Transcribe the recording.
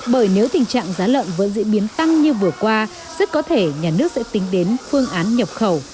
bởi nếu tình trạng giá lợn vẫn diễn biến tăng như vừa qua rất có thể nhà nước sẽ tính đến phương án nhập khẩu